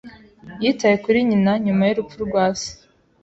Yitaye kuri nyina nyuma y'urupfu rwa se.